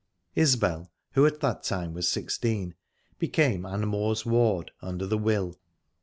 Isbel, who at that time was sixteen became Ann Moor's ward, under the will.